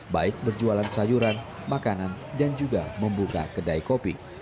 baik berjualan sayuran makanan dan juga membuka kedai kopi